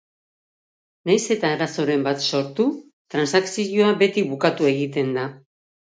Nahiz eta arazoren bat sortu, transakzioa beti bukatu egiten da.